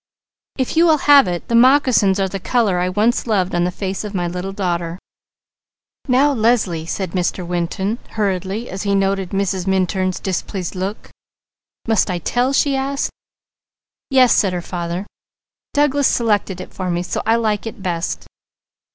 "If you will have it the moccasins are the colour I once loved on the face of my little daughter." "Now Leslie!" said Mr. Winton hurriedly as he noted Mrs. Minturn's displeased look. "Must I tell?" she asked. "Yes," said her father. "Douglas selected it for me, so I like it best."